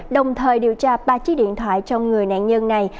đồng thời điều tra ba chiếc điện thoại trong người nạn nhân này